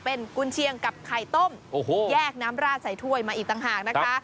เป็นกุญเชียงกับไข่ต้มแยกน้ำราดใส่ถ้วยมาอีกต่างหากนะคะ